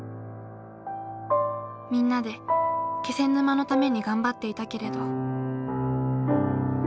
みんなで気仙沼のために頑張っていたけれど。